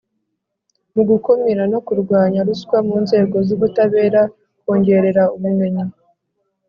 mu gukumira no kurwanya ruswa mu nzego z ubutabera kongerera ubumenyi